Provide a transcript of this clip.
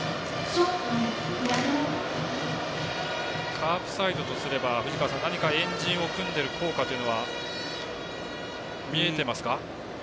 カープサイドとすれば、藤川さん何か円陣を組んでいる効果というのは見えていますか。